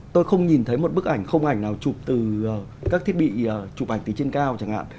tôi không nhìn thấy một bức ảnh không ảnh nào chụp từ các thiết bị chụp ảnh từ trên cao chẳng hạn